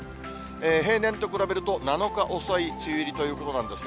平年と比べると、７日遅い梅雨入りということなんですね。